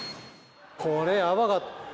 これやばかった。